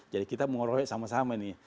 jadi kita mengorohi sama sama ini